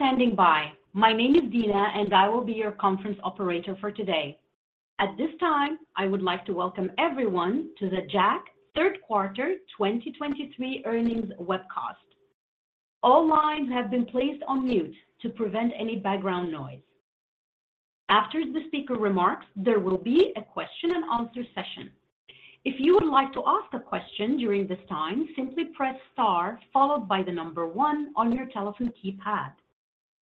Thank you for standing by. My name is Dina, and I will be your conference operator for today. At this time, I would like to welcome everyone to the Jack Third Quarter 2023 Earnings Webcast. All lines have been placed on mute to prevent any background noise. After the speaker remarks, there will be a question-and-answer session. If you would like to ask a question during this time, simply press star followed by the number one on your telephone keypad.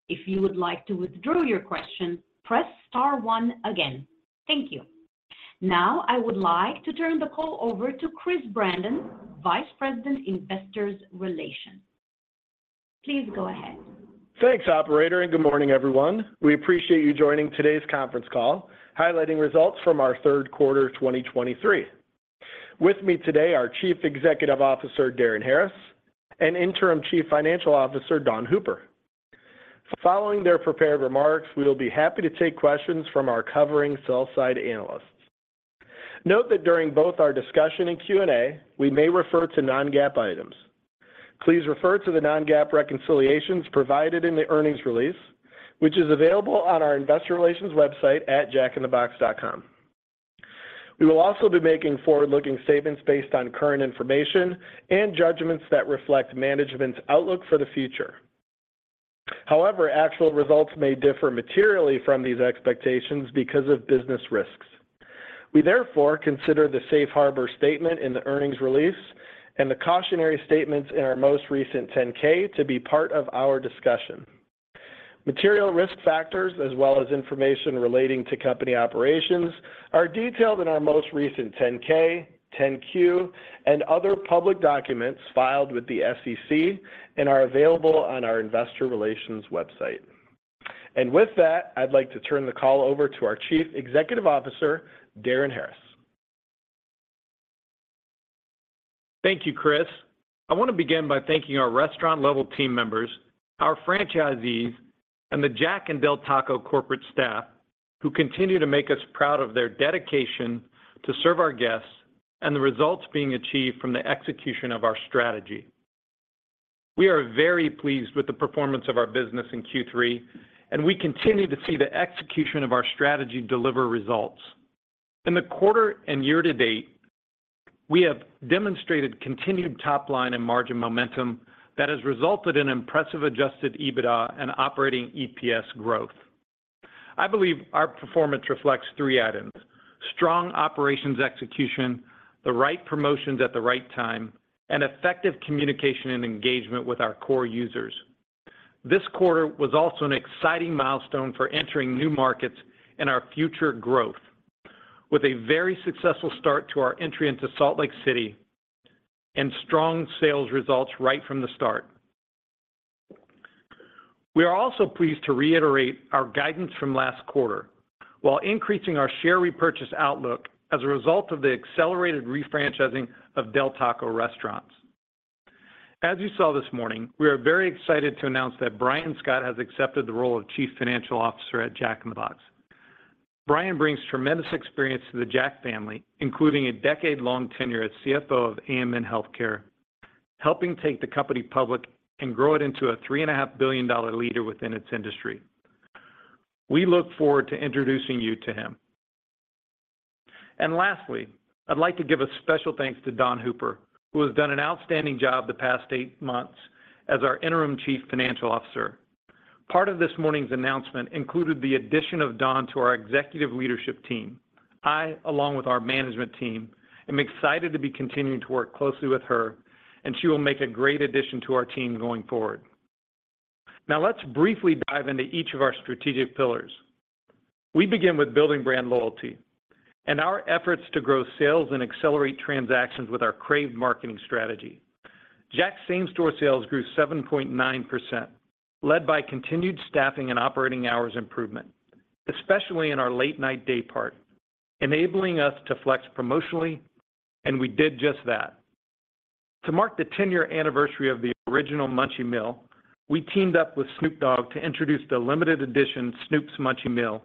If you would like to withdraw your question, press star one again. Thank you. Now, I would like to turn the call over to Chris Brandon, Vice President, Investor Relations. Please go ahead. Thanks, operator. Good morning, everyone. We appreciate you joining today's conference call, highlighting results from our third quarter, 2023. With me today are Chief Executive Officer, Darin Harris, and Interim Chief Financial Officer, Dawn Hooper. Following their prepared remarks, we will be happy to take questions from our covering sell-side analysts. Note that during both our discussion and Q&A, we may refer to non-GAAP items. Please refer to the non-GAAP reconciliations provided in the earnings release, which is available on our investor relations website at jackinthebox.com. We will also be making forward-looking statements based on current information and judgments that reflect management's outlook for the future. However, actual results may differ materially from these expectations because of business risks. We therefore consider the safe harbor statement in the earnings release and the cautionary statements in our most recent 10-K to be part of our discussion. Material risk factors as well as information relating to company operations are detailed in our most recent 10-K, 10-Q, and other public documents filed with the SEC and are available on our investor relations website. With that, I'd like to turn the call over to our Chief Executive Officer, Darin Harris. Thank you, Chris. I want to begin by thanking our restaurant-level team members, our franchisees, and the Jack and Del Taco corporate staff, who continue to make us proud of their dedication to serve our guests and the results being achieved from the execution of our strategy. We are very pleased with the performance of our business in Q3. We continue to see the execution of our strategy deliver results. In the quarter and year to date, we have demonstrated continued top line and margin momentum that has resulted in impressive adjusted EBITDA and operating EPS growth. I believe our performance reflects three items: strong operations execution, the right promotions at the right time, and effective communication and engagement with our core users. This quarter was also an exciting milestone for entering new markets and our future growth, with a very successful start to our entry into Salt Lake City and strong sales results right from the start. We are also pleased to reiterate our guidance from last quarter, while increasing our share repurchase outlook as a result of the accelerated refranchising of Del Taco restaurants. As you saw this morning, we are very excited to announce that Brian Scott has accepted the role of Chief Financial Officer at Jack in the Box. Brian brings tremendous experience to the Jack family, including a decade-long tenure at CFO of AMN Healthcare, helping take the company public and grow it into a $3.5 billion leader within its industry. We look forward to introducing you to him. Lastly, I'd like to give a special thanks to Dawn Hooper, who has done an outstanding job the past eight months as our interim Chief Financial Officer. Part of this morning's announcement included the addition of Dawn to our executive leadership team. I, along with our management team, am excited to be continuing to work closely with her, and she will make a great addition to our team going forward. Now, let's briefly dive into each of our strategic pillars. We begin with building brand loyalty and our efforts to grow sales and accelerate transactions with our crave marketing strategy. Jack's same-store sales grew 7.9%, led by continued staffing and operating hours improvement, especially in our late-night day part, enabling us to flex promotionally, and we did just that. To mark the 10-year anniversary of the original Munchie Meal, we teamed up with Snoop Dogg to introduce the limited edition Snoop's Munchie Meal,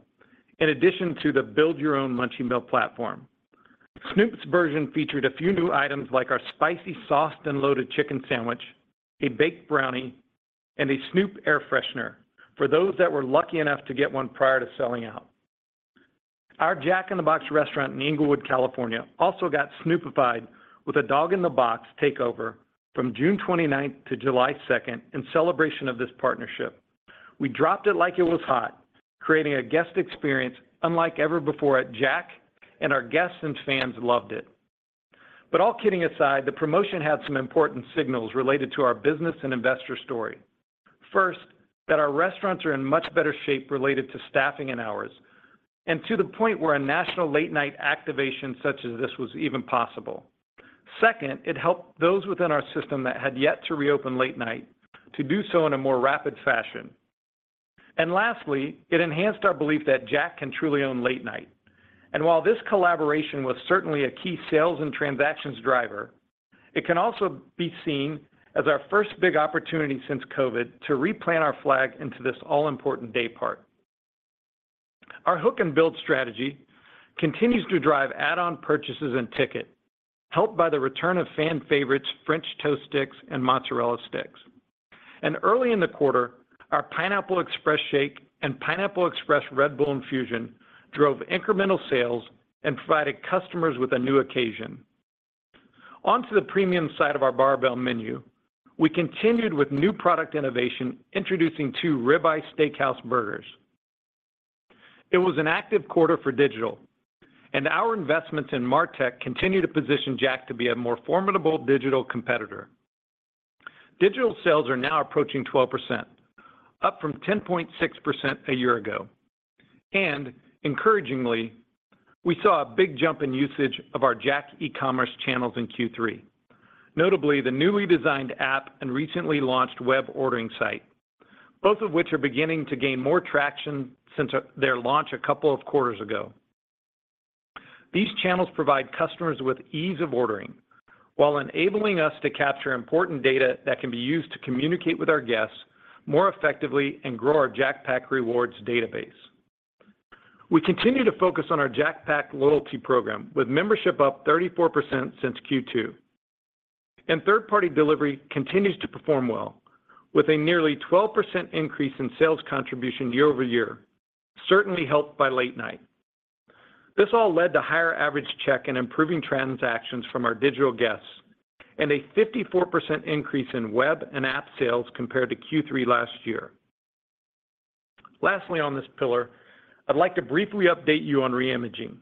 in addition to the Build Your Own Munchie Meal platform. Snoop's version featured a few new items, like our Spicy Sauced and Loaded Chicken Sandwich, a baked brownie, and a Snoop air freshener for those that were lucky enough to get one prior to selling out. Our Jack in the Box restaurant in Inglewood, California, also got Snoopified with a Dogg in tha Box takeover from June twenty-ninth to July second in celebration of this partnership. We dropped it like it was hot, creating a guest experience unlike ever before at Jack, and our guests and fans loved it. All kidding aside, the promotion had some important signals related to our business and investor story. First, that our restaurants are in much better shape related to staffing and hours, and to the point where a national late night activation such as this was even possible. Second, it helped those within our system that had yet to reopen late night to do so in a more rapid fashion. Lastly, it enhanced our belief that Jack can truly own late night. While this collaboration was certainly a key sales and transactions driver, it can also be seen as our first big opportunity since COVID to replant our flag into this all-important day part. Our hook and build strategy continues to drive add-on purchases and ticket, helped by the return of fan favorites, French Toast Sticks and Mozzarella Sticks. Early in the quarter, our Pineapple Express Shake and Pineapple Express Red Bull Infusion drove incremental sales and provided customers with a new occasion. On to the premium side of our barbell menu, we continued with new product innovation, introducing two Ribeye Steakhouse Burgers. It was an active quarter for digital, and our investments in MarTech continue to position Jack to be a more formidable digital competitor. Digital sales are now approaching 12%, up from 10.6% a year ago. Encouragingly, we saw a big jump in usage of our Jack E-commerce channels in Q3, notably the newly designed app and recently launched Web Ordering Site, both of which are beginning to gain more traction since their launch a couple of quarters ago. These channels provide customers with ease of ordering while enabling us to capture important data that can be used to communicate with our guests more effectively and grow our Jack Pack Rewards database. We continue to focus on our Jack Pack loyalty program, with membership up 34% since Q2. Third-party delivery continues to perform well, with a nearly 12% increase in sales contribution year-over-year, certainly helped by late night. This all led to higher average check and improving transactions from our digital guests, and a 54% increase in web and app sales compared to Q3 last year. Lastly, on this pillar, I'd like to briefly update you on reimaging.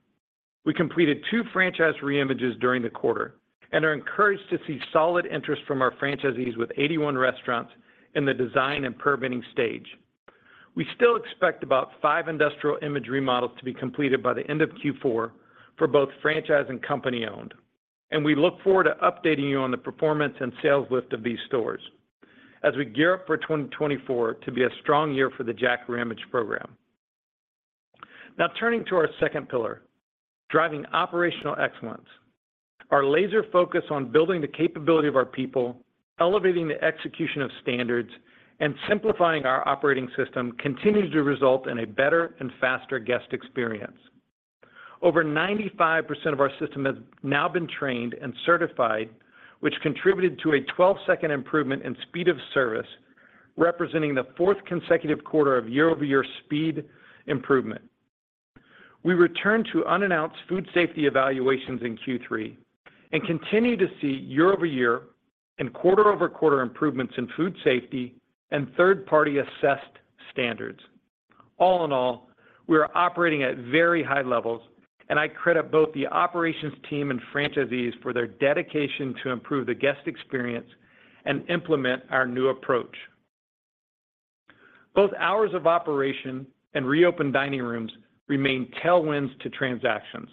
We completed two franchise reimages during the quarter and are encouraged to see solid interest from our franchisees with 81 restaurants in the design and permitting stage. We still expect about five initial image remodels to be completed by the end of Q4 for both franchise and company-owned, and we look forward to updating you on the performance and sales lift of these stores as we gear up for 2024 to be a strong year for the Jack reimage program. Now, turning to our second pillar, driving operational excellence. Our laser focus on building the capability of our people, elevating the execution of standards, and simplifying our operating system continues to result in a better and faster guest experience. Over 95% of our system has now been trained and certified, which contributed to a 12-second improvement in speed of service, representing the fourth consecutive quarter of year-over-year speed improvement. We returned to unannounced food safety evaluations in Q3 and continue to see year-over-year and quarter-over-quarter improvements in food safety and third-party assessed standards. All in all, we are operating at very high levels, and I credit both the operations team and franchisees for their dedication to improve the guest experience and implement our new approach. Both hours of operation and reopened dining rooms remain tailwinds to transactions.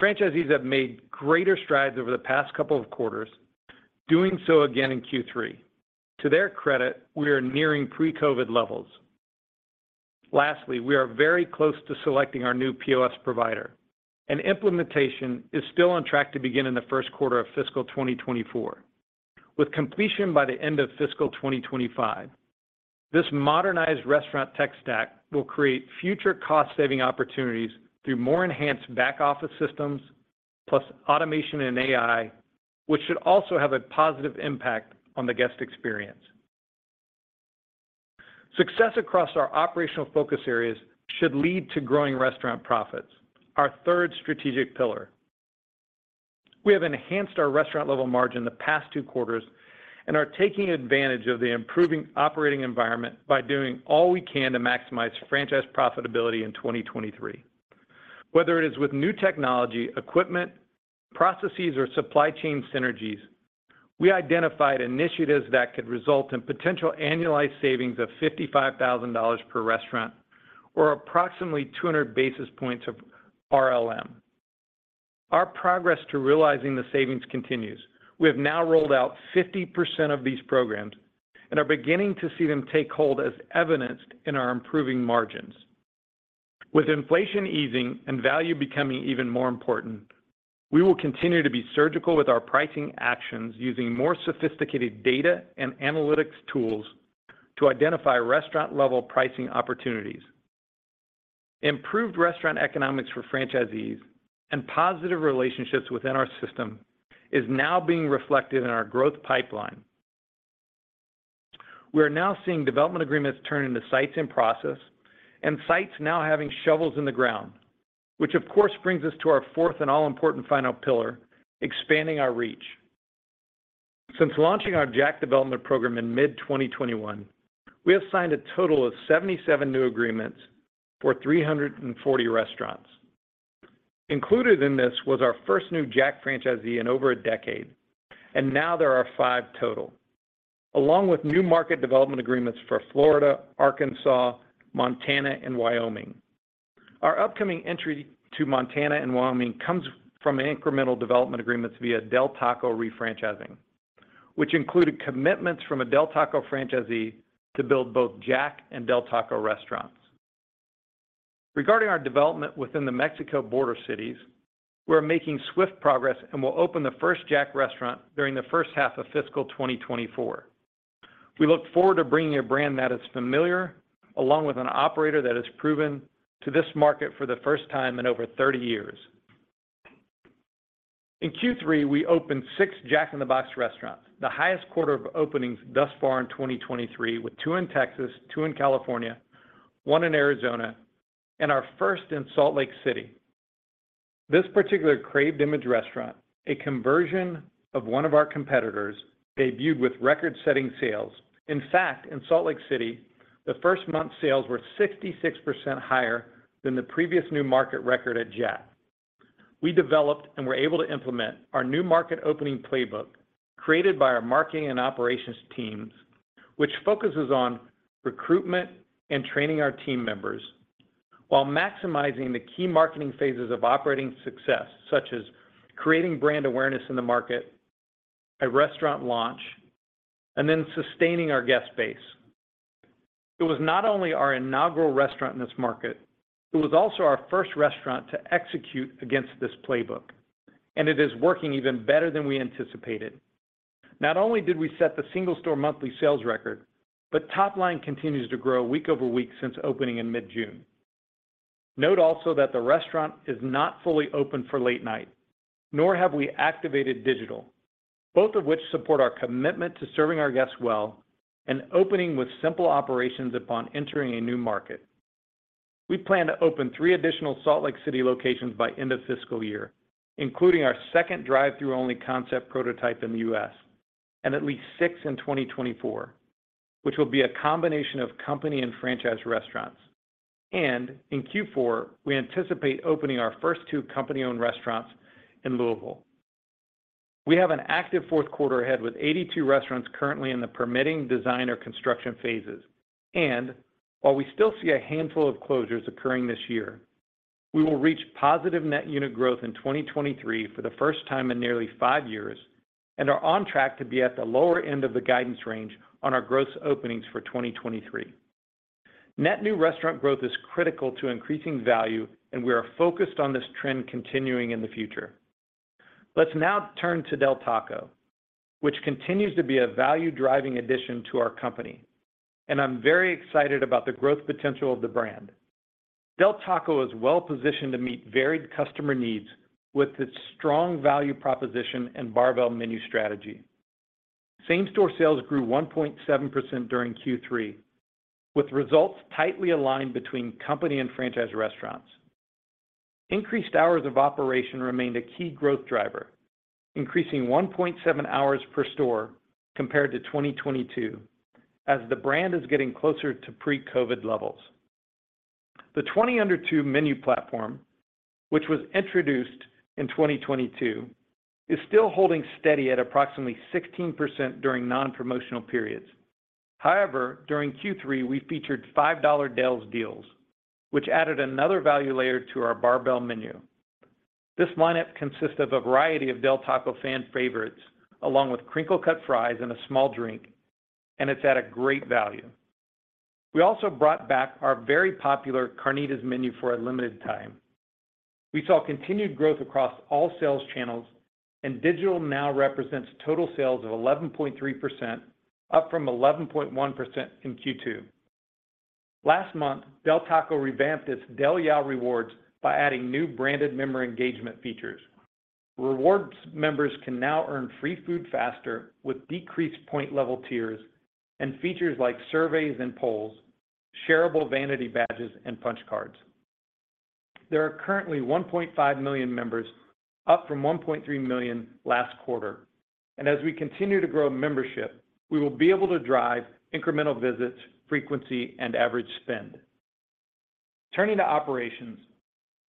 Franchisees have made greater strides over the past couple of quarters, doing so again in Q3. To their credit, we are nearing pre-COVID levels. Lastly, we are very close to selecting our new POS provider, and implementation is still on track to begin in the first quarter of fiscal 2024, with completion by the end of fiscal 2025. This modernized restaurant tech stack will create future cost-saving opportunities through more enhanced back-office systems, plus automation and AI, which should also have a positive impact on the guest experience. Success across our operational focus areas should lead to growing restaurant profits, our third strategic pillar. We have enhanced our restaurant-level margin the past two quarters and are taking advantage of the improving operating environment by doing all we can to maximize franchise profitability in 2023. Whether it is with new technology, equipment, processes, or supply chain synergies, we identified initiatives that could result in potential annualized savings of $55,000 per restaurant, or approximately 200 basis points of RLM. Our progress to realizing the savings continues. We have now rolled out 50% of these programs and are beginning to see them take hold as evidenced in our improving margins. With inflation easing and value becoming even more important, we will continue to be surgical with our pricing actions using more sophisticated data and analytics tools to identify restaurant-level pricing opportunities. Improved restaurant economics for franchisees and positive relationships within our system is now being reflected in our growth pipeline. We are now seeing development agreements turn into sites in process and sites now having shovels in the ground, which of course, brings us to our fourth and all important final pillar, expanding our reach. Since launching our Jack development program in mid-2021, we have signed a total of 77 new agreements for 340 restaurants. Included in this was our first new Jack franchisee in over a decade, and now there are five total, along with new market development agreements for Florida, Arkansas, Montana, and Wyoming. Our upcoming entry to Montana and Wyoming comes from incremental development agreements via Del Taco refranchising, which included commitments from a Del Taco franchisee to build both Jack and Del Taco restaurants. Regarding our development within the Mexico border cities, we are making swift progress and will open the first Jack restaurant during the first half of fiscal 2024.... We look forward to bringing a brand that is familiar, along with an operator that is proven to this market for the first time in over 30 years. In Q3, we opened six Jack in the Box restaurants, the highest quarter of openings thus far in 2023, with two in Texas, two in California, one in Arizona, and our first in Salt Lake City. This particular CRAVED image restaurant, a conversion of one of our competitors, debuted with record-setting sales. In fact, in Salt Lake City, the first month sales were 66% higher than the previous new market record at Jack. We developed and were able to implement our new market opening playbook, created by our marketing and operations teams, which focuses on recruitment and training our team members while maximizing the key marketing phases of operating success, such as creating brand awareness in the market, a restaurant launch, and then sustaining our guest base. It was not only our inaugural restaurant in this market, it was also our first restaurant to execute against this playbook, and it is working even better than we anticipated. Not only did we set the single store monthly sales record, top line continues to grow week-over-week since opening in mid-June. Note also that the restaurant is not fully open for late night, nor have we activated digital, both of which support our commitment to serving our guests well and opening with simple operations upon entering a new market. We plan to open three additional Salt Lake City locations by end of fiscal year, including our second drive-through only concept prototype in the U.S., and at least six in 2024, which will be a combination of company and franchise restaurants. In Q4, we anticipate opening our first two company-owned restaurants in Louisville. We have an active fourth quarter ahead with 82 restaurants currently in the permitting design or construction phases. While we still see a handful of closures occurring this year, we will reach positive net unit growth in 2023 for the first time in nearly five years, and are on track to be at the lower end of the guidance range on our gross openings for 2023. Net new restaurant growth is critical to increasing value, and we are focused on this trend continuing in the future. Let's now turn to Del Taco, which continues to be a value-driving addition to our company, and I'm very excited about the growth potential of the brand. Del Taco is well positioned to meet varied customer needs with its strong value proposition and barbell menu strategy. Same-store sales grew 1.7% during Q3, with results tightly aligned between company and franchise restaurants. Increased hours of operation remained a key growth driver, increasing 1.7 hours per store compared to 2022, as the brand is getting closer to pre-COVID levels. The Twenty Under Two menu platform, which was introduced in 2022, is still holding steady at approximately 16% during non-promotional periods. However, during Q3, we featured $5 Del's Deals, which added another value layer to our barbell menu. This lineup consists of a variety of Del Taco fan favorites, along with Crinkle Cut Fries and a small drink, and it's at a great value. We also brought back our very popular Carnitas Menu for a limited time. We saw continued growth across all sales channels, and digital now represents total sales of 11.3%, up from 11.1% in Q2. Last month, Del Taco revamped its Del Yeah! Rewards by adding new branded member engagement features. Rewards members can now earn free food faster with decreased point level tiers and features like surveys and polls, shareable vanity badges, and punch cards. There are currently 1.5 million members, up from 1.3 million last quarter. As we continue to grow membership, we will be able to drive incremental visits, frequency, and average spend. Turning to operations,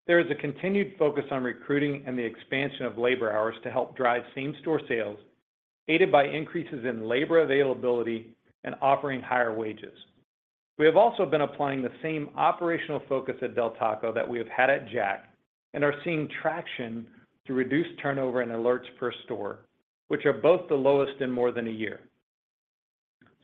there is a continued focus on recruiting and the expansion of labor hours to help drive same-store sales, aided by increases in labor availability and offering higher wages. We have also been applying the same operational focus at Del Taco that we have had at Jack, and are seeing traction to reduce turnover and alerts per store, which are both the lowest in more than a year.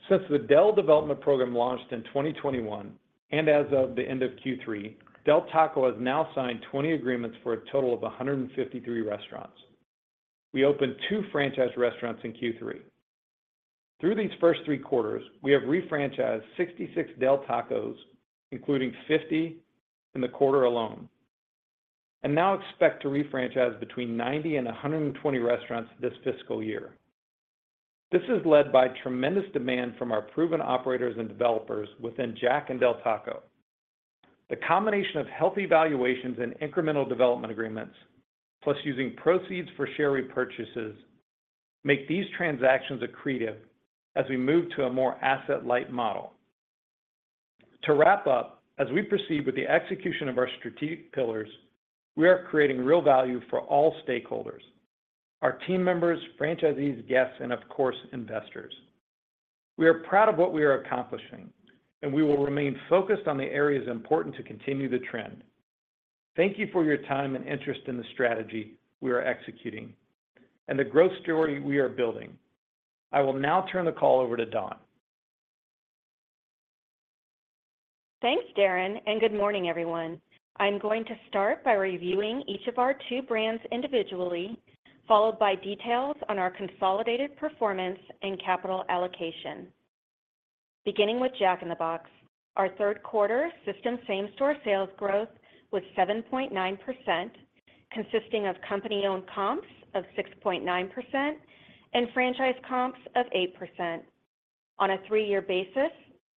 Since the Del development program launched in 2021, and as of the end of Q3, Del Taco has now signed 20 agreements for a total of 153 restaurants. We opened two franchise restaurants in Q3. Through these first three quarters, we have refranchised 66 Del Taco, including 50 in the quarter alone, and now expect to refranchise between 90 and 120 restaurants this fiscal year. This is led by tremendous demand from our proven operators and developers within Jack and Del Taco. The combination of healthy valuations and incremental development agreements, plus using proceeds for share repurchases, make these transactions accretive as we move to a more asset-light model. To wrap up, as we proceed with the execution of our strategic pillars, we are creating real value for all stakeholders, our team members, franchisees, guests, and of course, investors. We are proud of what we are accomplishing, and we will remain focused on the areas important to continue the trend. Thank you for your time and interest in the strategy we are executing and the growth story we are building. I will now turn the call over to Dawn. Thanks, Darin, good morning, everyone. I'm going to start by reviewing each of our two brands individually, followed by details on our consolidated performance and capital allocation. Beginning with Jack in the Box, our third quarter system same-store sales growth was 7.9%, consisting of company-owned comps of 6.9% and franchise comps of 8%. On a three-year basis,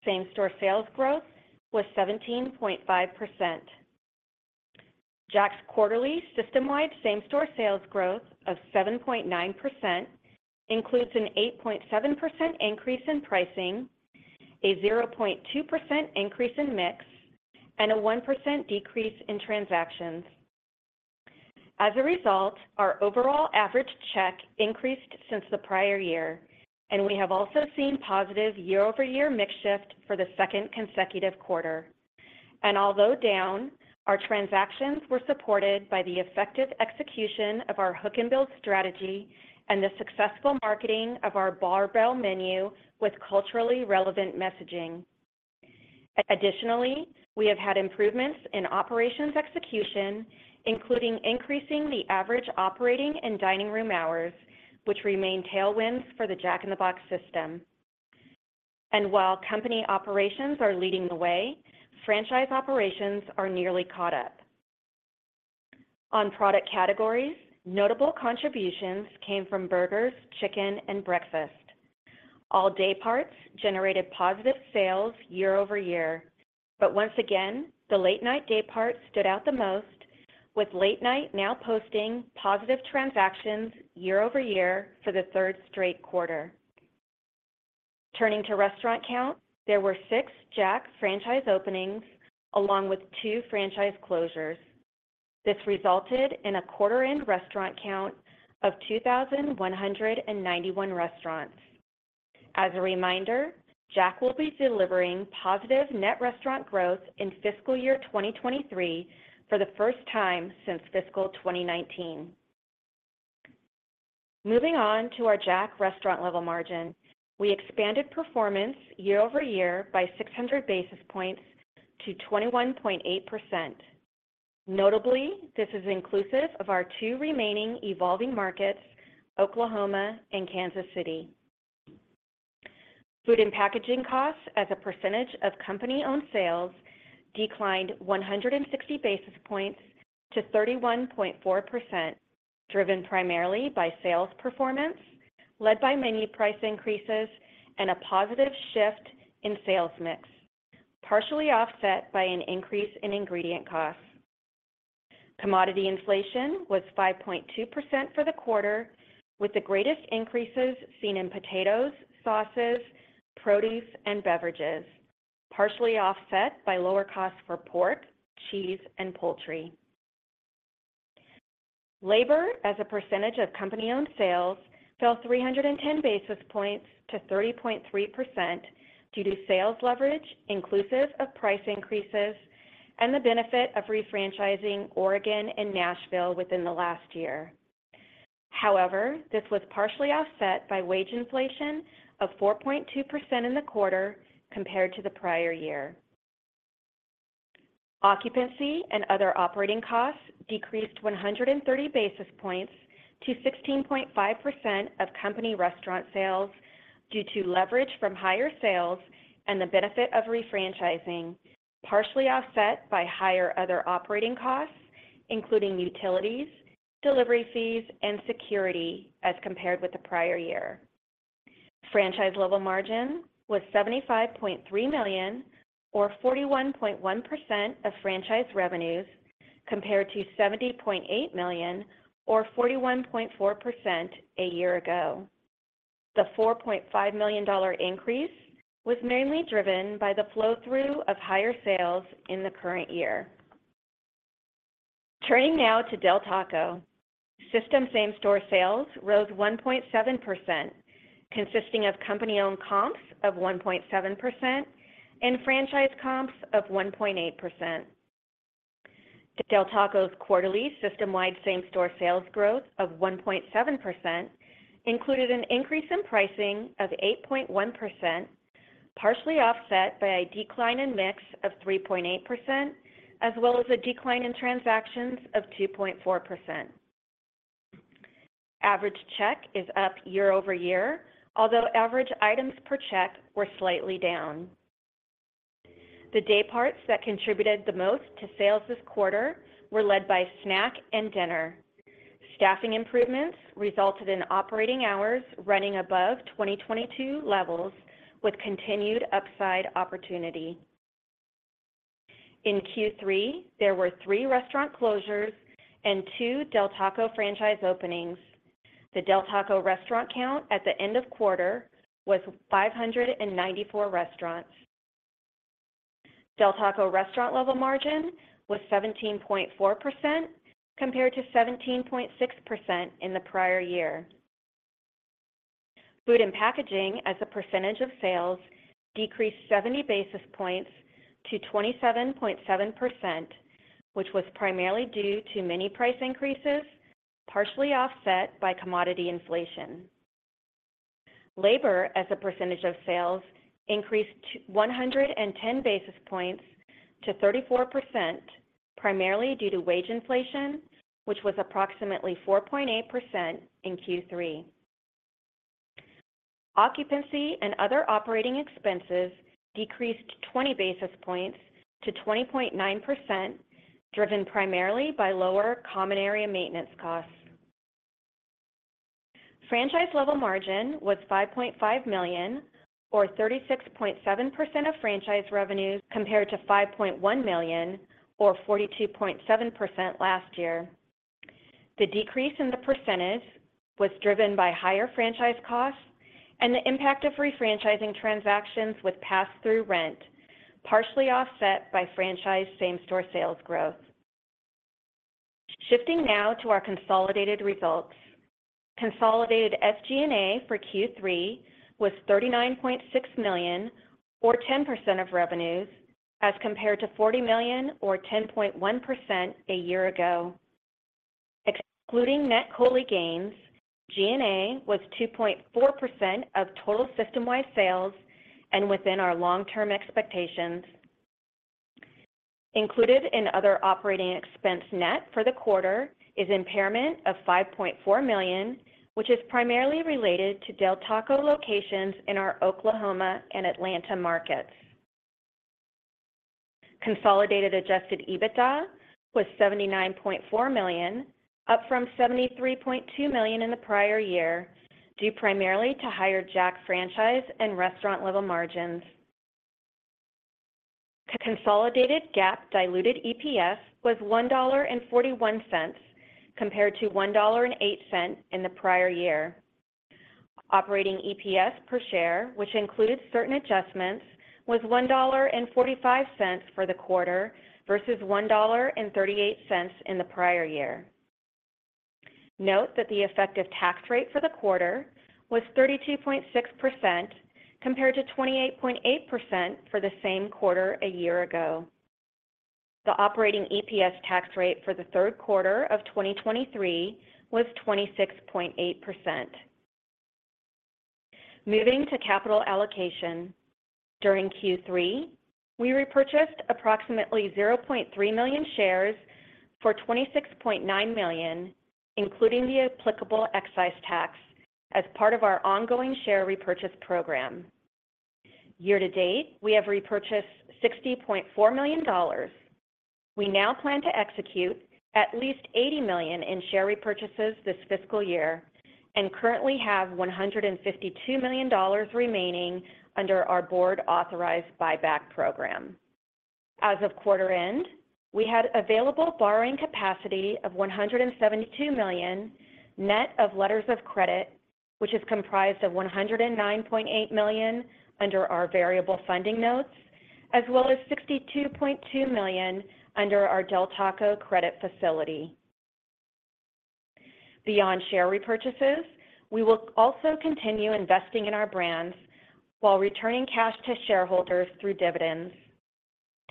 same-store sales growth was 17.5%. Jack's quarterly system-wide same-store sales growth of 7.9% includes an 8.7% increase in pricing, a 0.2% increase in mix, and a 1% decrease in transactions. As a result, our overall average check increased since the prior year, we have also seen positive year-over-year mix shift for the second consecutive quarter. Although down, our transactions were supported by the effective execution of our hook and build strategy and the successful marketing of our barbell menu with culturally relevant messaging. Additionally, we have had improvements in operations execution, including increasing the average operating and dining room hours, which remain tailwinds for the Jack in the Box system. While company operations are leading the way, franchise operations are nearly caught up. On product categories, notable contributions came from burgers, chicken, and breakfast. All day parts generated positive sales year-over-year, but once again, the late night day part stood out the most, with late night now posting positive transactions year-over-year for the third straight quarter. Turning to restaurant count, there were six Jack franchise openings along with two franchise closures. This resulted in a quarter-end restaurant count of 2,191 restaurants. As a reminder, Jack will be delivering positive net restaurant growth in fiscal year 2023 for the first time since fiscal 2019. Moving on to our Jack restaurant level margin, we expanded performance year-over-year by 600 basis points to 21.8%. Notably, this is inclusive of our two remaining evolving markets, Oklahoma and Kansas City. Food and packaging costs as a percentage of company-owned sales declined 160 basis points to 31.4%, driven primarily by sales performance, led by menu price increases and a positive shift in sales mix, partially offset by an increase in ingredient costs. Commodity inflation was 5.2% for the quarter, with the greatest increases seen in potatoes, sauces, produce, and beverages, partially offset by lower costs for pork, cheese, and poultry. Labor, as a percentage of company-owned sales, fell 310 basis points to 30.3% due to sales leverage, inclusive of price increases and the benefit of refranchising Oregon and Nashville within the last year. This was partially offset by wage inflation of 4.2% in the quarter compared to the prior year. Occupancy and other operating costs decreased 130 basis points to 16.5% of company restaurant sales due to leverage from higher sales and the benefit of refranchising, partially offset by higher other operating costs, including utilities, delivery fees, and security as compared with the prior year. Franchise level margin was $75.3 million or 41.1% of franchise revenues, compared to $70.8 million or 41.4% a year ago. The $4.5 million increase was mainly driven by the flow-through of higher sales in the current year. Turning now to Del Taco. System same-store sales rose 1.7%, consisting of company-owned comps of 1.7% and franchise comps of 1.8%. Del Taco's quarterly system-wide same-store sales growth of 1.7% included an increase in pricing of 8.1%, partially offset by a decline in mix of 3.8%, as well as a decline in transactions of 2.4%. Average check is up year-over-year, although average items per check were slightly down. The day parts that contributed the most to sales this quarter were led by snack and dinner. Staffing improvements resulted in operating hours running above 2022 levels with continued upside opportunity. In Q3, there were three restaurant closures and two Del Taco franchise openings. The Del Taco restaurant count at the end of quarter was 594 restaurants. Del Taco restaurant level margin was 17.4%, compared to 17.6% in the prior year. Food and packaging as a percentage of sales decreased 70 basis points to 27.7%, which was primarily due to menu price increases, partially offset by commodity inflation. Labor as a percentage of sales increased 110 basis points to 34%, primarily due to wage inflation, which was approximately 4.8% in Q3. Occupancy and other operating expenses decreased 20 basis points to 20.9%, driven primarily by lower common area maintenance costs. Franchise level margin was $5.5 million, or 36.7% of franchise revenues, compared to $5.1 million or 42.7% last year. The decrease in the percentage was driven by higher franchise costs and the impact of refranchising transactions with pass-through rent, partially offset by franchise same-store sales growth. Shifting now to our consolidated results. Consolidated SG&A for Q3 was $39.6 million, or 10% of revenues, as compared to $40 million or 10.1% a year ago. Excluding net COLI gains, G&A was 2.4% of total system-wide sales and within our long-term expectations. Included in other operating expense net for the quarter is impairment of $5.4 million, which is primarily related to Del Taco locations in our Oklahoma and Atlanta markets. Consolidated adjusted EBITDA was $79.4 million, up from $73.2 million in the prior year, due primarily to higher Jack franchise and restaurant level margins. Consolidated GAAP diluted EPS was $1.41, compared to $1.08 in the prior year. Operating EPS per share, which included certain adjustments, was $1.45 for the quarter versus $1.38 in the prior year. Note that the effective tax rate for the quarter was 32.6%, compared to 28.8% for the same quarter a year ago. The operating EPS tax rate for the third quarter of 2023 was 26.8%. Moving to capital allocation. During Q3, we repurchased approximately 0.3 million shares for $26.9 million, including the applicable excise tax, as part of our ongoing share repurchase program. Year to date, we have repurchased $60.4 million. We now plan to execute at least $80 million in share repurchases this fiscal year and currently have $152 million remaining under our board-authorized buyback program. As of quarter end, we had available borrowing capacity of $172 million, net of letters of credit, which is comprised of $109.8 million under our variable funding notes, as well as $62.2 million under our Del Taco credit facility. Beyond share repurchases, we will also continue investing in our brands while returning cash to shareholders through dividends.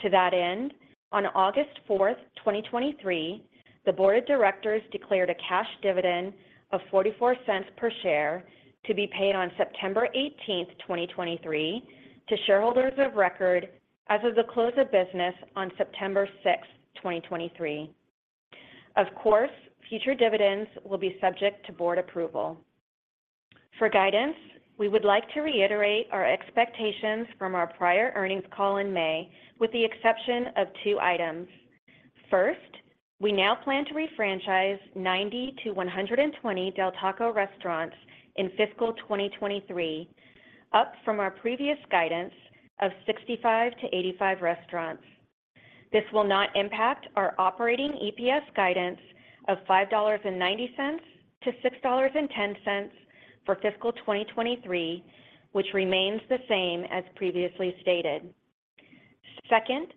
To that end, on August 4, 2023, the board of directors declared a cash dividend of $0.44 per share to be paid on September 18, 2023, to shareholders of record as of the close of business on September 6, 2023. Of course, future dividends will be subject to board approval. For guidance, we would like to reiterate our expectations from our prior earnings call in May, with the exception of two items. First, we now plan to refranchise 90-120 Del Taco restaurants in fiscal 2023, up from our previous guidance of 65-85 restaurants. This will not impact our operating EPS guidance of $5.90-$6.10 for fiscal 2023, which remains the same as previously stated. Second,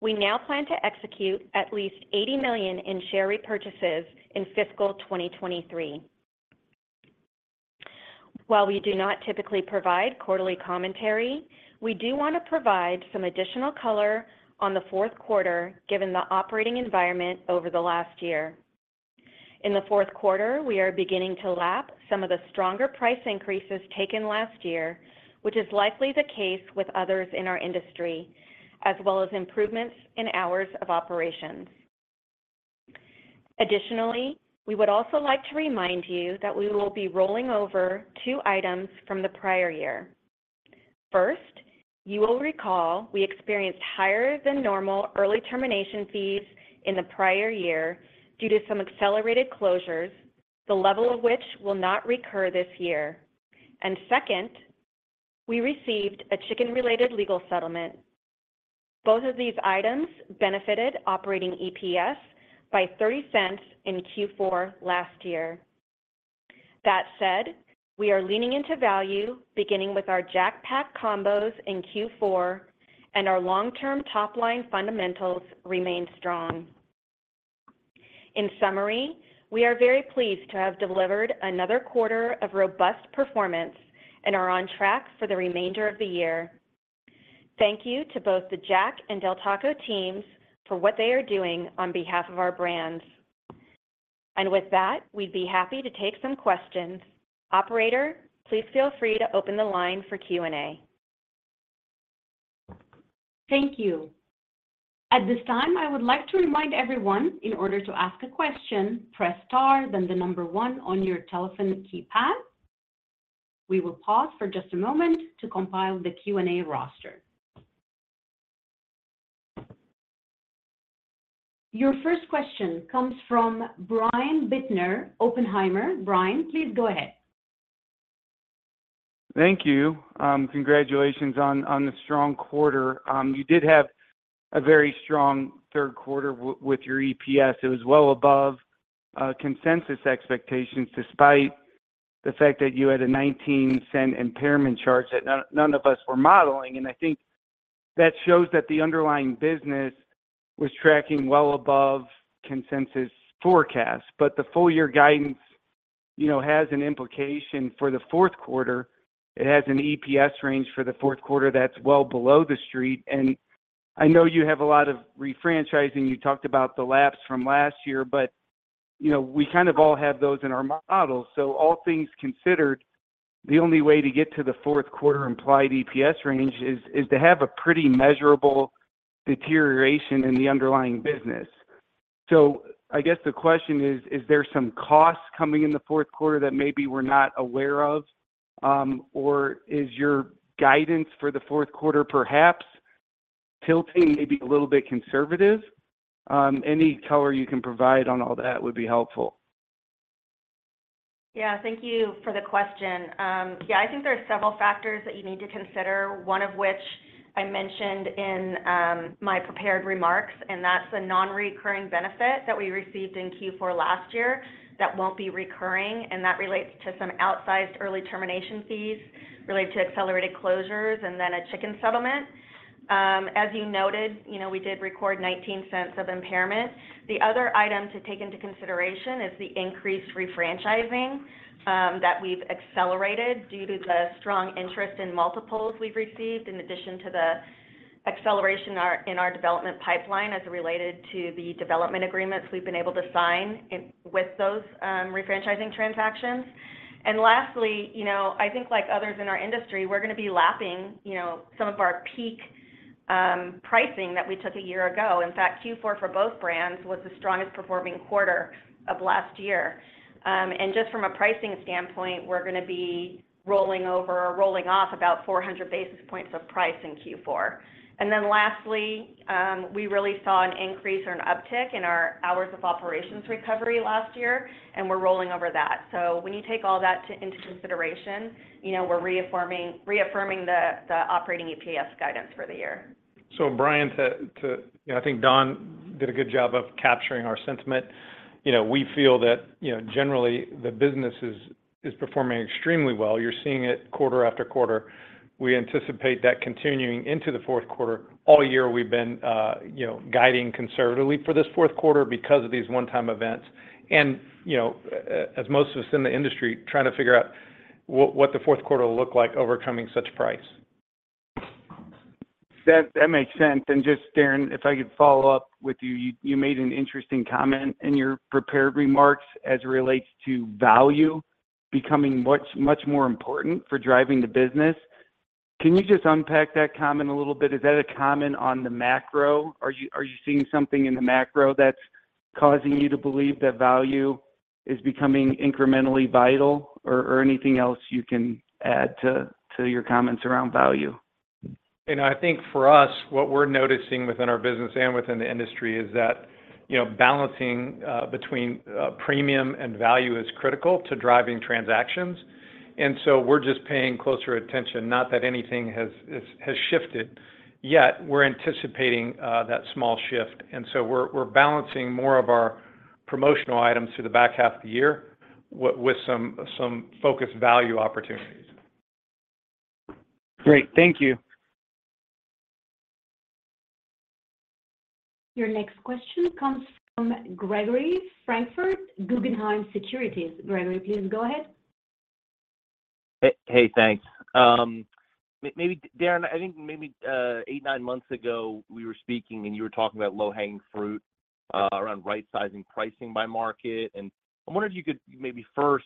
we now plan to execute at least $80 million in share repurchases in fiscal 2023. While we do not typically provide quarterly commentary, we do want to provide some additional color on the fourth quarter, given the operating environment over the last year. In the fourth quarter, we are beginning to lap some of the stronger price increases taken last year, which is likely the case with others in our industry, as well as improvements in hours of operations. Additionally, we would also like to remind you that we will be rolling over two items from the prior year. First, you will recall we experienced higher than normal early termination fees in the prior year due to some accelerated closures, the level of which will not recur this year. Second, we received a chicken-related legal settlement. Both of these items benefited operating EPS by $0.30 in Q4 last year. That said, we are leaning into value, beginning with our Jack Pack combos in Q4, and our long-term top-line fundamentals remain strong. In summary, we are very pleased to have delivered another quarter of robust performance and are on track for the remainder of the year. Thank you to both the Jack and Del Taco teams for what they are doing on behalf of our brands. With that, we'd be happy to take some questions. Operator, please feel free to open the line for Q&A. Thank you. At this time, I would like to remind everyone, in order to ask a question, press star, then the number one on your telephone keypad. We will pause for just a moment to compile the Q&A roster. Your first question comes from Brian Bittner, Oppenheimer. Brian, please go ahead. Thank you. Congratulations on, on the strong quarter. You did have a very strong third quarter with your EPS. It was well above consensus expectations, despite the fact that you had a $0.19 impairment charge that none, none of us were modeling. I think that shows that the underlying business was tracking well above consensus forecast. The full year guidance, you know, has an implication for the fourth quarter. It has an EPS range for the fourth quarter that's well below the street. I know you have a lot of refranchising. You talked about the lapse from last year, you know, we kind of all have those in our models. All things considered, the only way to get to the fourth quarter implied EPS range is, is to have a pretty measurable deterioration in the underlying business. I guess the question is: Is there some costs coming in the fourth quarter that maybe we're not aware of, or is your guidance for the fourth quarter perhaps tilting, maybe a little bit conservative? Any color you can provide on all that would be helpful. Yeah, thank you for the question. Yeah, I think there are several factors that you need to consider, one of which I mentioned in my prepared remarks, and that's the non-recurring benefit that we received in Q4 last year, that won't be recurring, and that relates to some outsized early termination fees related to accelerated closures and then a chicken settlement. As you noted, you know, we did record $0.19 of impairment. The other item to take into consideration is the increased refranchising that we've accelerated due to the strong interest in multiples we've received, in addition to the acceleration in our, in our development pipeline as it related to the development agreements we've been able to sign in with those refranchising transactions. Lastly, you know, I think like others in our industry, we're gonna be lapping, you know, some of our peak pricing that we took a year ago. In fact, Q4 for both brands was the strongest performing quarter of last year. Just from a pricing standpoint, we're gonna be rolling over or rolling off about 400 basis points of price in Q4. Then lastly, we really saw an increase or an uptick in our hours of operations recovery last year, and we're rolling over that. When you take all that into consideration, you know, we're reaffirming, reaffirming the, the operating EPS guidance for the year. Brian. You know, I think Dawn did a good job of capturing our sentiment. You know, we feel that, you know, generally, the business is performing extremely well. You're seeing it quarter after quarter. We anticipate that continuing into the fourth quarter. All year, we've been, you know, guiding conservatively for this fourth quarter because of these one-time events. You know, as most of us in the industry, trying to figure out what the fourth quarter will look like overcoming such price. That, that makes sense. Just, Darin, if I could follow up with you. You, you made an interesting comment in your prepared remarks as it relates to value becoming much, much more important for driving the business. Can you just unpack that comment a little bit? Is that a comment on the macro? Are you, are you seeing something in the macro that's causing you to believe that value is becoming incrementally vital? Or, or anything else you can add to, to your comments around value? You know, I think for us, what we're noticing within our business and within the industry is that, you know, balancing between premium and value is critical to driving transactions. We're just paying closer attention, not that anything has, has, has shifted, yet we're anticipating that small shift. We're, we're balancing more of our promotional items to the back half of the year w- with some, some focused value opportunities. Great. Thank you. Your next question comes from Gregory Francfort, Guggenheim Securities. Gregory, please go ahead. Hey, thanks. maybe Darin, I think maybe, eight, nine months ago, we were speaking, and you were talking about low-hanging fruit around right-sizing, pricing by market. I wondered if you could maybe first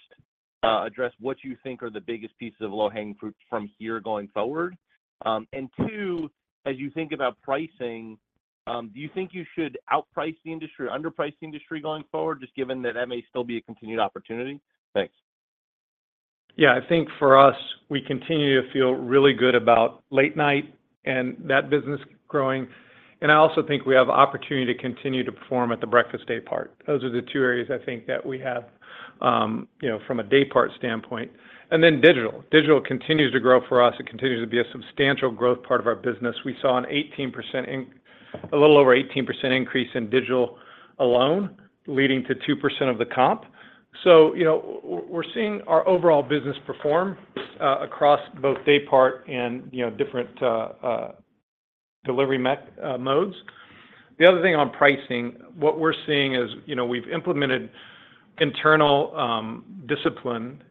address what you think are the biggest pieces of low-hanging fruit from here going forward. Two, as you think about pricing, do you think you should outprice the industry or underprice the industry going forward, just given that that may still be a continued opportunity? Thanks. Yeah. I think for us, we continue to feel really good about late night and that business growing, and I also think we have opportunity to continue to perform at the breakfast day part. Those are the two areas I think that we have, you know, from a day part standpoint. Then digital. Digital continues to grow for us. It continues to be a substantial growth part of our business. We saw an 18% a little over 18% increase in digital alone, leading to 2% of the comp. You know, we're seeing our overall business perform across both day part and, you know, different delivery modes. The other thing on pricing, what we're seeing is, you know, we've implemented internal discipline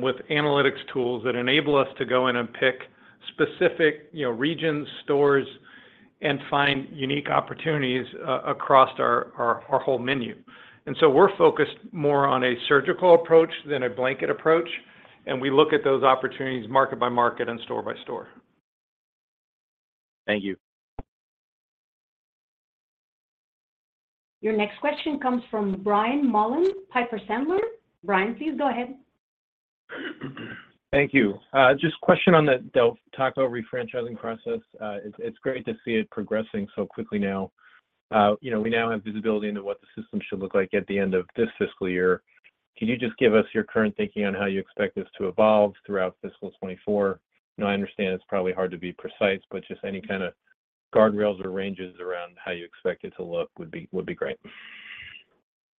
with analytics tools that enable us to go in and pick specific, you know, regions, stores, and find unique opportunities across our, our, our whole menu. So we're focused more on a surgical approach than a blanket approach, and we look at those opportunities market by market and store by store. Thank you. Your next question comes from Brian Mullan, Piper Sandler. Brian, please go ahead. Thank you. Just question on the Del Taco refranchising process. It's, it's great to see it progressing so quickly now. You know, we now have visibility into what the system should look like at the end of this fiscal year. Can you just give us your current thinking on how you expect this to evolve throughout fiscal 2024? I know, I understand it's probably hard to be precise, but just any kind of guardrails or ranges around how you expect it to look would be, would be great.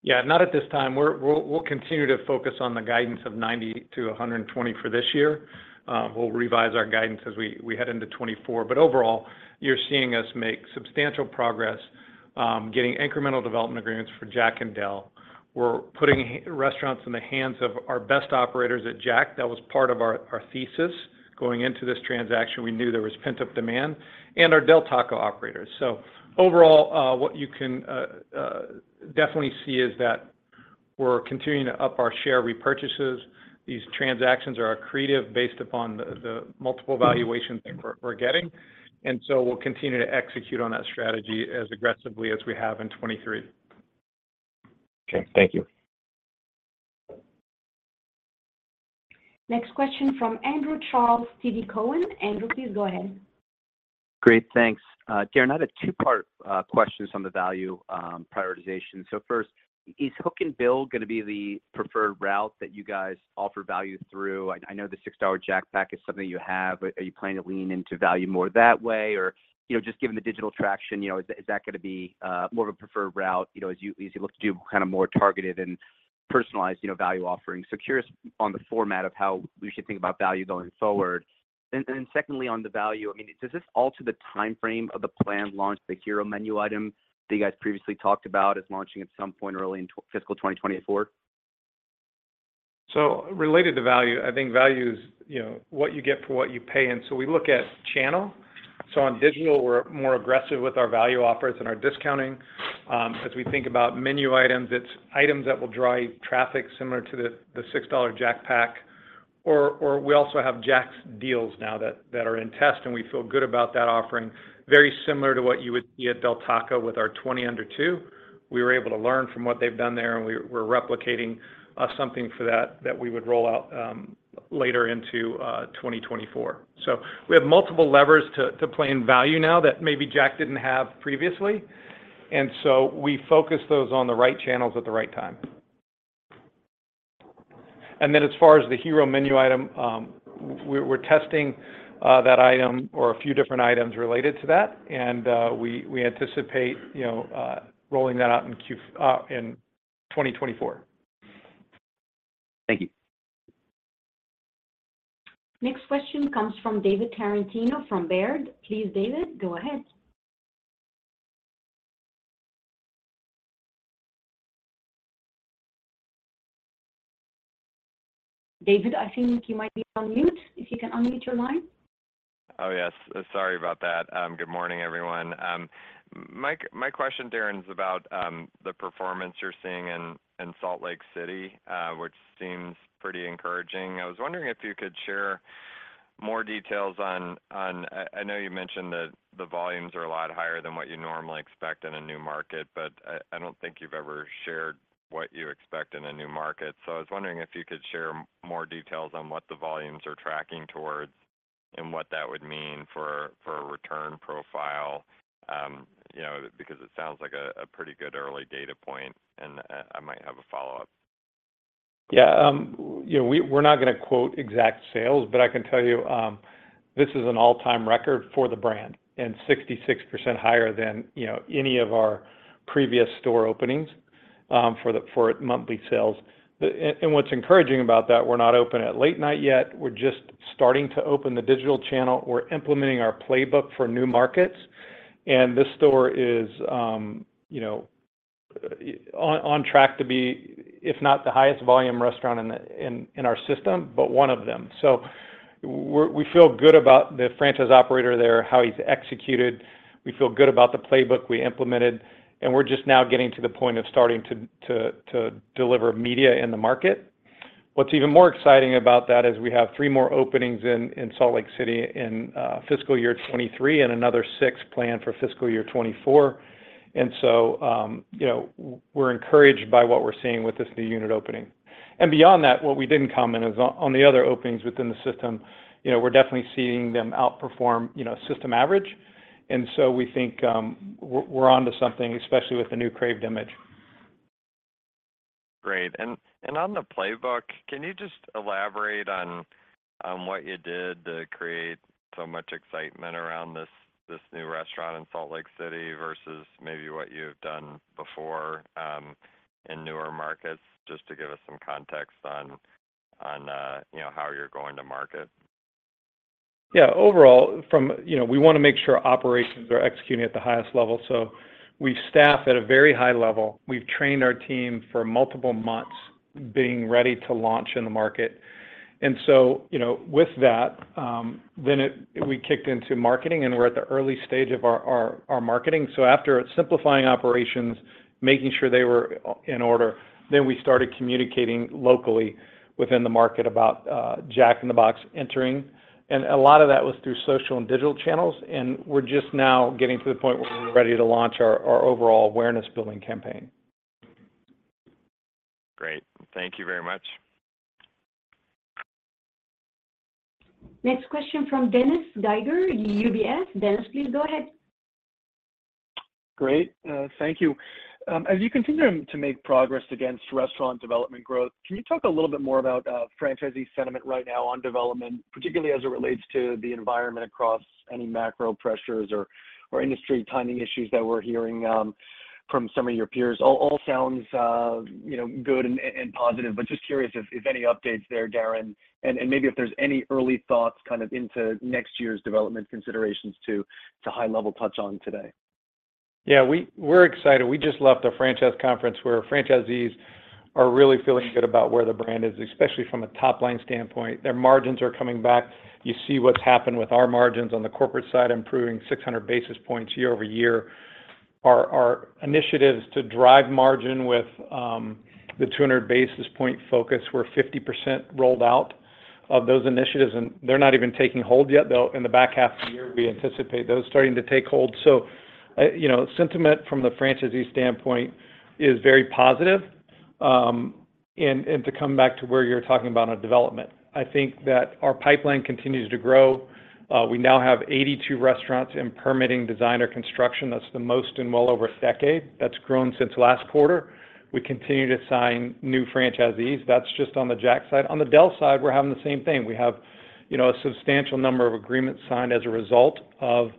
Yeah, not at this time. We'll continue to focus on the guidance of 90-120 for this year. We'll revise our guidance as we head into 2024. Overall, you're seeing us make substantial progress getting incremental development agreements for Jack and Del. We're putting restaurants in the hands of our best operators at Jack. That was part of our thesis. Going into this transaction, we knew there was pent-up demand and our Del Taco operators. Overall, what you can definitely see is that we're continuing to up our share repurchases. These transactions are accretive based upon the multiple valuations that we're getting. We'll continue to execute on that strategy as aggressively as we have in 2023. Okay, thank you. Next question from Andrew Charles, TD Cowen. Andrew, please go ahead. Great. Thanks. Darin, I have a two-part question on the value prioritization. First, is hook and build gonna be the preferred route that you guys offer value through? I know the $6 Jack Pack is something you have. Are you planning to lean into value more that way? Or, you know, just given the digital traction, you know, is that gonna be more of a preferred route, you know, as you look to do kind of more targeted and personalized, you know, value offerings? Curious on the format of how we should think about value going forward. Secondly, on the value, I mean, does this alter the time frame of the planned launch of the hero menu item that you guys previously talked about as launching at some point early in fiscal 2024? Related to value, I think value is, you know, what you get for what you pay, and so we look at channel. On digital, we're more aggressive with our value offers and our discounting. As we think about menu items, it's items that will drive traffic similar to the $6 Jack Pack, or we also have Jack's deals now that are in test, and we feel good about that offering. Very similar to what you would see at Del Taco with our 20 Under $2. We were able to learn from what they've done there, and we're replicating something for that we would roll out later into 2024. We have multiple levers to play in value now that maybe Jack didn't have previously, and so we focus those on the right channels at the right time. Then as far as the hero menu item, we're, we're testing, that item or a few different items related to that, and, we, we anticipate, you know, rolling that out in 2024. Thank you. Next question comes from David Tarantino from Baird. Please, David, go ahead. David, I think you might be on mute, if you can unmute your line. Oh, yes, sorry about that. Good morning, everyone. My, my question, Darin, is about the performance you're seeing in Salt Lake City, which seems pretty encouraging. I was wondering if you could share more details on. I, I know you mentioned that the volumes are a lot higher than what you normally expect in a new market, but I, I don't think you've ever shared what you expect in a new market. I was wondering if you could share more details on what the volumes are tracking towards and what that would mean for a return profile. You know, because it sounds like a pretty good early data point, and I might have a follow-up. Yeah, you know, we're not gonna quote exact sales, but I can tell you, this is an all-time record for the brand and 66% higher than, you know, any of our previous store openings, for monthly sales. What's encouraging about that, we're not open at late night yet. We're just starting to open the digital channel. We're implementing our playbook for new markets, this store is, you know, on track to be, if not the highest volume restaurant in our system, but one of them. We feel good about the franchise operator there, how he's executed. We feel good about the playbook we implemented, we're just now getting to the point of starting to deliver media in the market. What's even more exciting about that is we have three more openings in, in Salt Lake City in fiscal year 2023 and another six planned for fiscal year 2024. You know, we're encouraged by what we're seeing with this new unit opening. Beyond that, what we didn't comment is on, on the other openings within the system, you know, we're definitely seeing them outperform, you know, system average. We think we're, we're onto something, especially with the new CRAVED image. Great. On the playbook, can you just elaborate on, on what you did to create so much excitement around this, this new restaurant in Salt Lake City versus maybe what you've done before, in newer markets, just to give us some context on, on, you know, how you're going to market? Yeah. Overall, from, you know, we wanna make sure operations are executing at the highest level, so we staff at a very high level. We've trained our team for multiple months, being ready to launch in the market. You know, with that, then we kicked into marketing, and we're at the early stage of our, our, our marketing. After simplifying operations, making sure they were in order, then we started communicating locally within the market about Jack in the Box entering, and a lot of that was through social and digital channels, and we're just now getting to the point where we're ready to launch our, our overall awareness building campaign. Great. Thank you very much. Next question from Dennis Geiger, UBS. Dennis, please go ahead. Great, thank you. As you continue to make progress against restaurant development growth, can you talk a little bit more about franchisee sentiment right now on development, particularly as it relates to the environment across any macro pressures or, or industry timing issues that we're hearing from some of your peers? All, all sounds, you know, good and, and positive, but just curious if, if any updates there, Darin, and, and maybe if there's any early thoughts kind of into next year's development considerations to, to high level touch on today. Yeah, we- we're excited. We just left a franchise conference where franchisees are really feeling good about where the brand is, especially from a top-line standpoint. Their margins are coming back. You see what's happened with our margins on the corporate side, improving 600 basis points year-over-year. Our, our initiative is to drive margin with the 200 basis point focus, where 50% rolled out of those initiatives, and they're not even taking hold yet. They'll-- in the back half of the year, we anticipate those starting to take hold. You know, sentiment from the franchisee standpoint is very positive, and, and to come back to where you're talking about on development, I think that our pipeline continues to grow. We now have 82 restaurants in permitting design or construction. That's the most in well over a decade. That's grown since last quarter. We continue to sign new franchisees. That's just on the Jack side. On the Del side, we're having the same thing. We have, you know, a substantial number of agreements signed as a result of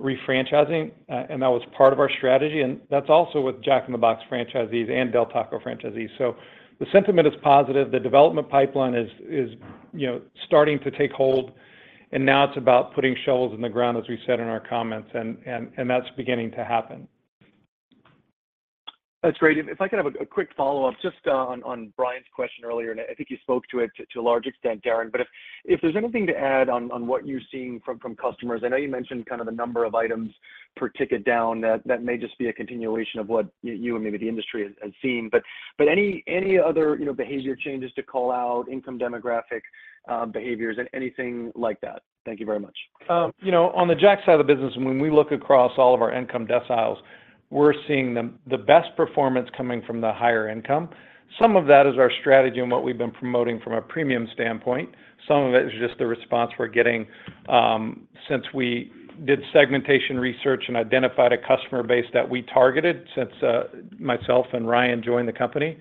refranchising, and that was part of our strategy, and that's also with Jack in the Box franchisees and Del Taco franchisees. The sentiment is positive, the development pipeline is, you know, starting to take hold, and now it's about putting shovels in the ground, as we said in our comments, and that's beginning to happen. That's great. If I could have a, a quick follow-up, just on Brian's question earlier, and I think you spoke to it to a large extent, Darin, but if, if there's anything to add on, on what you're seeing from, from customers. I know you mentioned kind of the number of items per ticket down, that, that may just be a continuation of what you and maybe the industry has, has seen. Any, any other, you know, behavior changes to call out, income demographic, behaviors, and anything like that? Thank you very much. You know, on the Jack side of the business, when we look across all of our income deciles, we're seeing the, the best performance coming from the higher income. Some of that is our strategy and what we've been promoting from a premium standpoint. Some of it is just the response we're getting since we did segmentation research and identified a customer base that we targeted since myself and Ryan joined the company.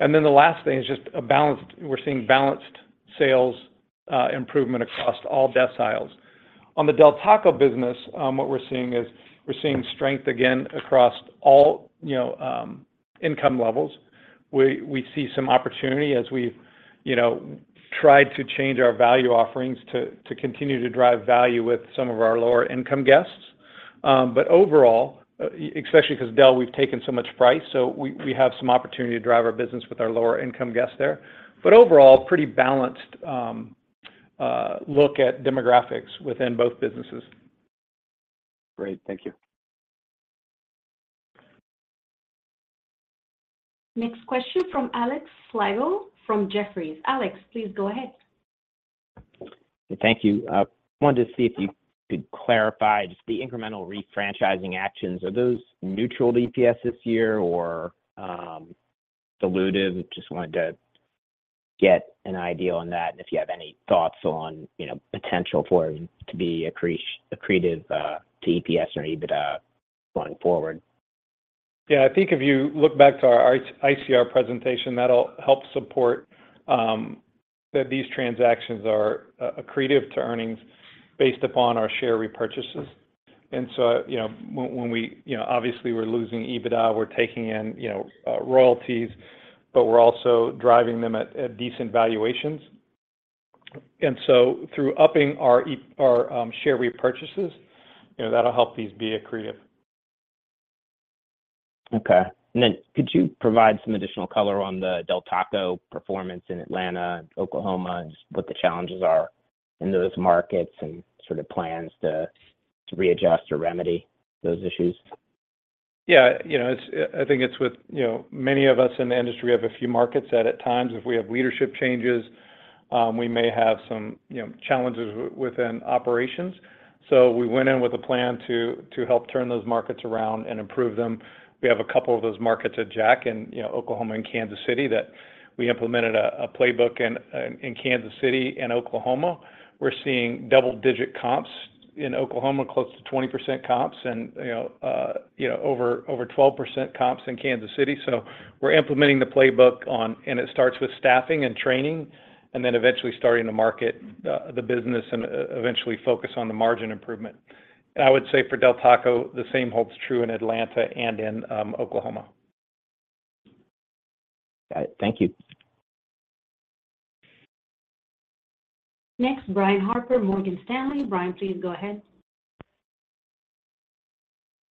The last thing is just a balanced, we're seeing balanced sales improvement across all deciles. On the Del Taco business, what we're seeing is, we're seeing strength again across all, you know, income levels. We, we see some opportunity as we, you know, try to change our value offerings to, to continue to drive value with some of our lower income guests. Overall, especially 'cause Del, we've taken so much price, so we, we have some opportunity to drive our business with our lower income guests there. Overall, pretty balanced, look at demographics within both businesses. Great. Thank you. Next question from Alex Sligo, from Jefferies. Alex, please go ahead. Thank you. Wanted to see if you could clarify just the incremental refranchising actions. Are those neutral EPS this year or dilutive? Just wanted to get an idea on that, and if you have any thoughts on potential for it to be accretive, accretive, to EPS or EBITDA going forward. Yeah, I think if you look back to our ICR presentation, that'll help support that these transactions are accretive to earnings based upon our share repurchases. You know, when, when we... You know, obviously we're losing EBITDA, we're taking in, you know, royalties, but we're also driving them at decent valuations. Through upping our e- our share repurchases, you know, that'll help these be accretive. Okay. Then could you provide some additional color on the Del Taco performance in Atlanta, Oklahoma, and just what the challenges are in those markets and sort of plans to readjust or remedy those issues? Yeah, you know, it's, I think it's with, you know, many of us in the industry have a few markets that at times, if we have leadership changes, we may have some, you know, challenges within operations. We went in with a plan to, to help turn those markets around and improve them. We have a couple of those markets at Jack in, you know, Oklahoma and Kansas City, that we implemented a, a playbook in, in Kansas City and Oklahoma. We're seeing double-digit comps in Oklahoma, close to 20% comps and, you know, you know, over, over 12% comps in Kansas City. We're implementing the playbook on... It starts with staffing and training, and then eventually starting to market the, the business and eventually focus on the margin improvement. I would say for Del Taco, the same holds true in Atlanta and in Oklahoma. Got it. Thank you. Next, Brian Harbour, Morgan Stanley. Brian, please go ahead.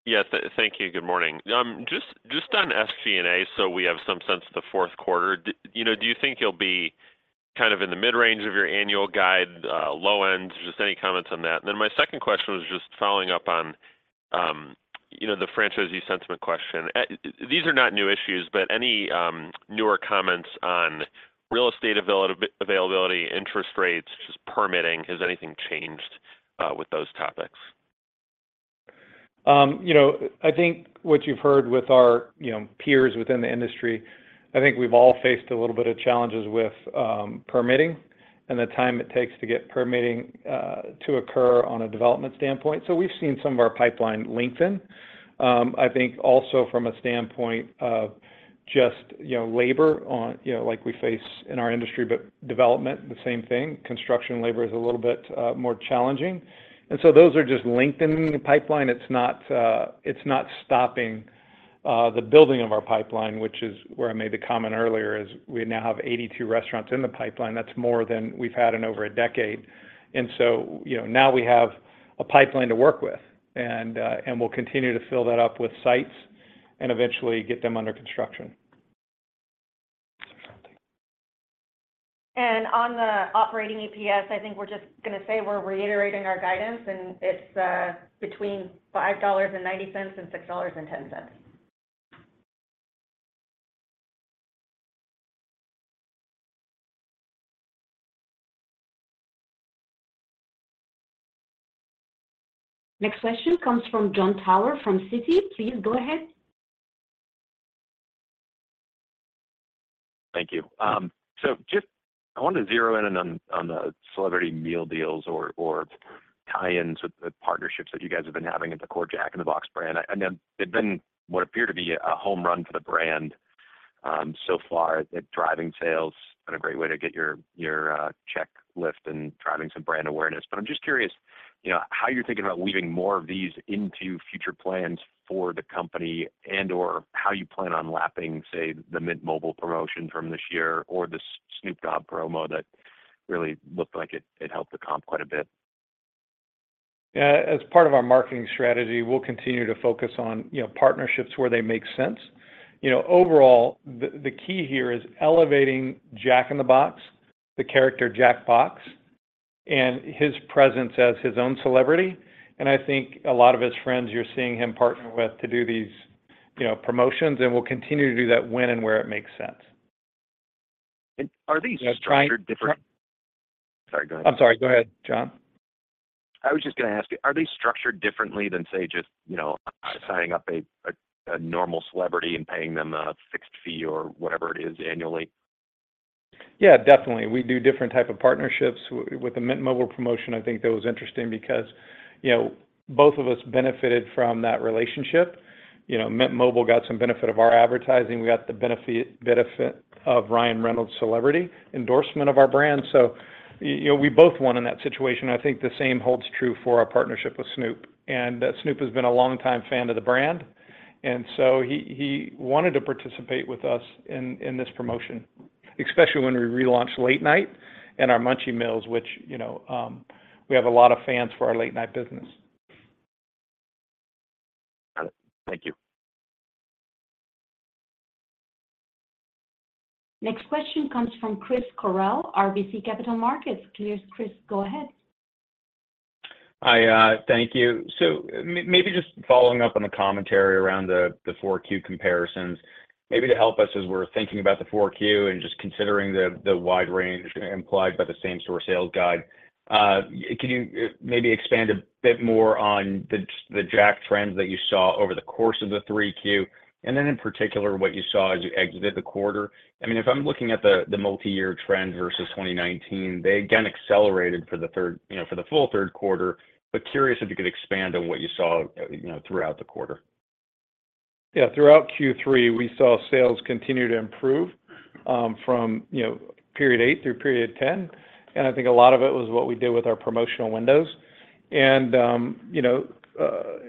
Yes, thank you. Good morning. Just, just on SG&A, we have some sense of the fourth quarter. You know, do you think you'll be kind of in the mid-range of your annual guide, low end? Just any comments on that. My second question was just following up on, you know, the franchisee sentiment question. These are not new issues, but any newer comments on real estate availability, interest rates, just permitting, has anything changed with those topics? You know, I think what you've heard with our, you know, peers within the industry, I think we've all faced a little bit of challenges with permitting and the time it takes to get permitting to occur on a development standpoint. We've seen some of our pipeline lengthen. I think also from a standpoint of just, you know, labor on, you know, like we face in our industry, but development, the same thing. Construction labor is a little bit more challenging, and so those are just lengthening the pipeline. It's not, it's not stopping the building of our pipeline, which is where I made the comment earlier, is we now have 82 restaurants in the pipeline. That's more than we've had in over a decade. you know, now we have a pipeline to work with, and we'll continue to fill that up with sites and eventually get them under construction. On the operating EPS, I think we're just gonna say we're reiterating our guidance, and it's between $5.90 and $6.10. Next question comes from Jon Tower, from Citi. Please go ahead. Thank you. Just I wanted to zero in on, on, on the celebrity meal deals or, or tie-ins with the partnerships that you guys have been having at the core Jack in the Box brand. I know they've been what appeared to be a home run for the brand, so far, that driving sales and a great way to get your, your, check lift and driving some brand awareness. I'm just curious, you know, how you're thinking about weaving more of these into future plans for the company and/or how you plan on lapping, say, the Mint Mobile promotion from this year or the Snoop Dogg promo that really looked like it, it helped the comp quite a bit? Yeah. As part of our marketing strategy, we'll continue to focus on, you know, partnerships where they make sense. You know, overall, the, the key here is elevating Jack in the Box, the character Jack Box, and his presence as his own celebrity, and I think a lot of his friends you're seeing him partner with to do these, you know, promotions, and we'll continue to do that when and where it makes sense. are these structured different- Sorry, go ahead. I'm sorry. Go ahead, Jon. I was just gonna ask you, are they structured differently than, say, just, you know, signing up a, a, a normal celebrity and paying them a fixed fee or whatever it is annually? Yeah, definitely. We do different type of partnerships. With, with the Mint Mobile promotion, I think that was interesting because, you know, both of us benefited from that relationship. You know, Mint Mobile got some benefit of our advertising. We got the benefit of Ryan Reynolds' celebrity endorsement of our brand. You know, we both won in that situation. I think the same holds true for our partnership with Snoop. Snoop has been a longtime fan of the brand. He, he wanted to participate with us in, in this promotion, especially when we relaunched Late Night and our Munchie Meals, which, you know, we have a lot of fans for our Late Night business. Got it. Thank you. Next question comes from Chris Carril, RBC Capital Markets. Please, Chris, go ahead. Hi, thank you. Maybe just following up on the commentary around the 4Q comparisons. Maybe to help us as we're thinking about the 4Q and just considering the wide range implied by the same-store sales guide, can you maybe expand a bit more on the Jack trends that you saw over the course of the 3Q, and then in particular, what you saw as you exited the quarter? I mean, if I'm looking at the multi-year trend versus 2019, they again accelerated for the third, you know, for the full third quarter, curious if you could expand on what you saw, you know, throughout the quarter. Yeah. Throughout Q3, we saw sales continue to improve, from, you know, period eight through period 10, and I think a lot of it was what we did with our promotional windows. You know,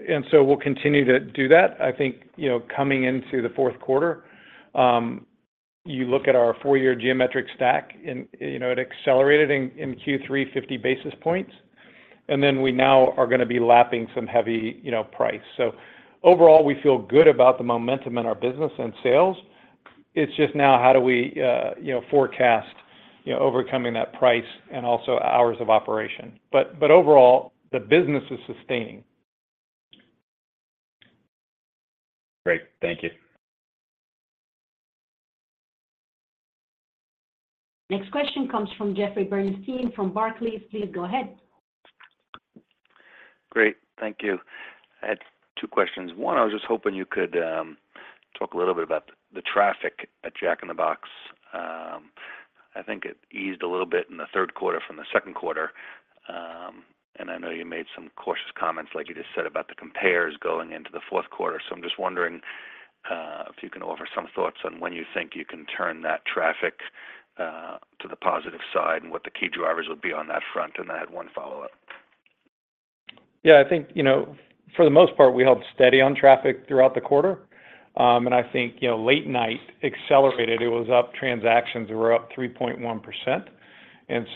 and so we'll continue to do that. I think, you know, coming into the fourth quarter, you look at our four-year geometric stack and, you know, it accelerated in, in Q3, 50 basis points, and then we now are gonna be lapping some heavy, you know, price. Overall, we feel good about the momentum in our business and sales. It's just now: How do we, you know, forecast, you know, overcoming that price and also hours of operation? But overall, the business is sustaining. Great. Thank you. Next question comes from Jeffrey Bernstein from Barclays. Please go ahead. Great. Thank you. I had two questions. One, I was just hoping you could talk a little bit about the traffic at Jack in the Box. I think it eased a little bit in the third quarter from the second quarter, and I know you made some cautious comments, like you just said, about the compares going into the fourth quarter. I'm just wondering if you can offer some thoughts on when you think you can turn that traffic to the positive side and what the key drivers would be on that front? I had one follow-up. Yeah, I think, you know, for the most part, we held steady on traffic throughout the quarter. I think, you know, Late Night accelerated. It was up, transactions were up 3.1%,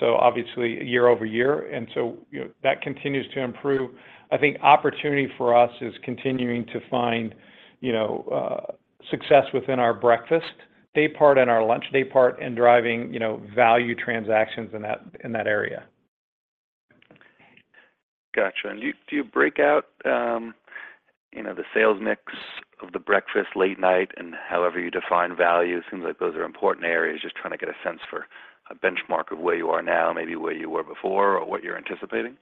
obviously, year-over-year, you know, that continues to improve. I think opportunity for us is continuing to find, you know, success within our breakfast day part and our lunch day part, driving, you know, value transactions in that, in that area. Gotcha. Do you, do you break out, you know, the sales mix of the breakfast, late night, and however you define value? It seems like those are important areas. Just trying to get a sense for a benchmark of where you are now, maybe where you were before, or what you're anticipating.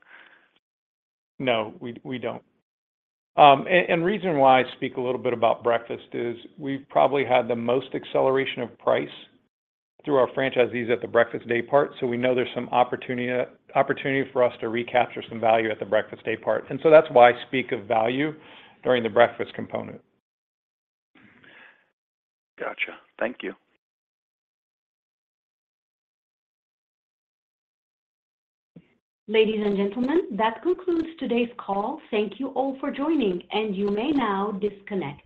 No, we, we don't. Reason why I speak a little bit about breakfast is we've probably had the most acceleration of price through our franchisees at the breakfast day part, so we know there's some opportunity, opportunity for us to recapture some value at the breakfast day part. That's why I speak of value during the breakfast component. Gotcha. Thank you. Ladies and gentlemen, that concludes today's call. Thank you all for joining, and you may now disconnect.